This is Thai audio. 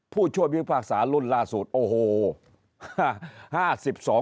ผู้ช่วยพิพากษารุ่นล่าสุดโอ้โห